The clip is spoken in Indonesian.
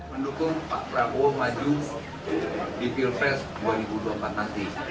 mendukung pak prabowo maju di pilpres dua ribu dua puluh empat nanti